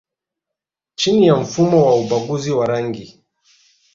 chini ya mfumo wa ubaguzi wa rangi